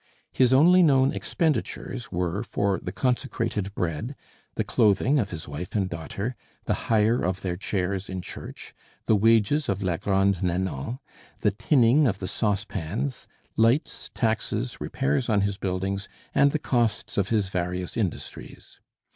His only known expenditures were for the consecrated bread, the clothing of his wife and daughter, the hire of their chairs in church, the wages of la Grand Nanon, the tinning of the saucepans, lights, taxes, repairs on his buildings, and the costs of his various industries.